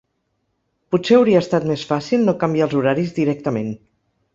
Potser hauria estat més fàcil no canviar els horaris directament.